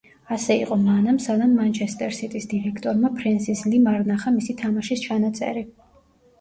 ასე იყო მანამ, სანამ „მანჩესტერ სიტის“ დირექტორმა, ფრენსის ლიმ არ ნახა მისი თამაშის ჩანაწერი.